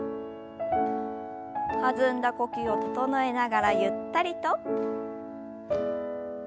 弾んだ呼吸を整えながらゆったりと。